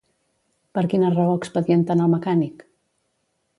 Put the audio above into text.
Per quina raó expedienten al mecànic?